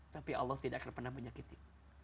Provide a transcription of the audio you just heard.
tapi allah tidak akan pernah menyakiti